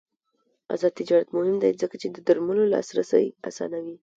آزاد تجارت مهم دی ځکه چې د درملو لاسرسی اسانوي.